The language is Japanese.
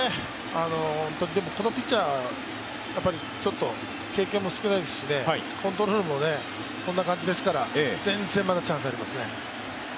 このピッチャー、ちょっと経験も少ないですし、コントロールもこんな感じですから、全然まだチャンスありますね。